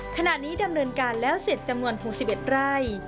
ขณะนี้ดำเนินการแล้วเสร็จจำนวน๖๑ไร่